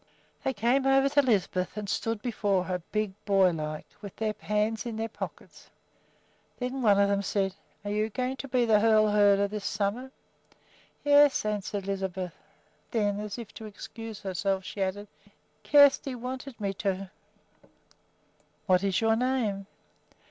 They came over to Lisbeth and stood before her, big boy like, with their hands in their pockets. Then one of them said, "Are you going to be the Hoel herder this summer?" "Yes," answered Lisbeth. Then, as if to excuse herself, she added quickly, "Kjersti wanted me to." "What is your name?"